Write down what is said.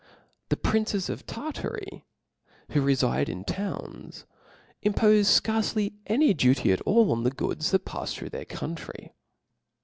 The princes of {') Tartary (y^lf 1^ who refide in towns, impofe fcarce any duty atT^rtaw, all on the goods that pafs through their country, p^j^o!